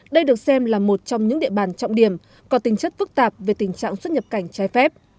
đây được xem là một trong những địa bàn trọng điểm có tính chất phức tạp về tình trạng xuất nhập cảnh trái phép